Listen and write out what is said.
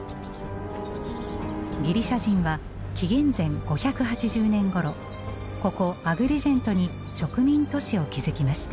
ギリシャ人は紀元前５８０年ごろここアグリジェントに植民都市を築きました。